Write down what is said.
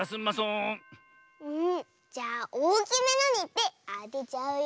んじゃあおおきめのにいってあてちゃうよ。